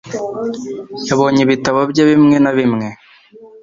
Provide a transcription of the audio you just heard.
Yabonye ibitabo bye bimwe na bimwe.